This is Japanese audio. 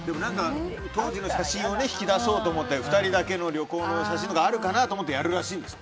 当時の写真を引き出そうと思ったり２人だけの旅行の写真とかあるかなと思ってやるらしいんです。